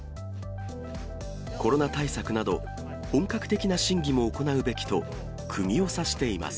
コロナ対策など、本格的な審議も行うべきと、くぎを刺しています。